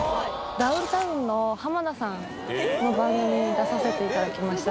ダウンタウンの浜田さんの番組に出させて頂きました。